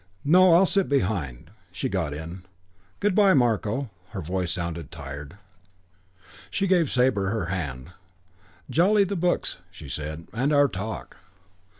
"No, I'll sit behind." She got in. "Good by, Marko." Her voice sounded tired. She gave Sabre her hand. "Jolly, the books," she said. "And our talk."